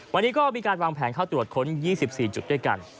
วันนี้ก็มีการวางแผนเข้าตรวจค้น๒๔จุดด้วยกัน